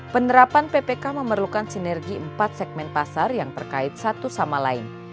penerapan ppk memerlukan sinergi empat segmen pasar yang terkait satu sama lain